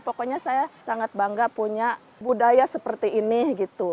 pokoknya saya sangat bangga punya budaya seperti ini gitu